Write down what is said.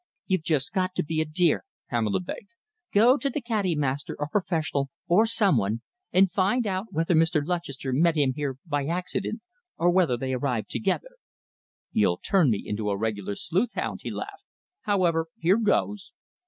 "You've just got to be a dear," Pamela begged. "Go to the caddy master, or professional, or some one, and find out whether Mr. Lutchester met him here by accident or whether they arrived together." "You'll turn me into a regular sleuthhound," he laughed. "However, here goes."